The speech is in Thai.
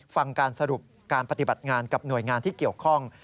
ฟังการสรุปการปฏิบัติงานกับหน่วยงานที่เกี่ยวข้อง